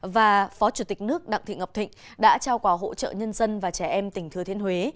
và phó chủ tịch nước đặng thị ngọc thịnh đã trao quà hỗ trợ nhân dân và trẻ em tỉnh thừa thiên huế